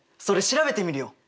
それ調べてみるよ！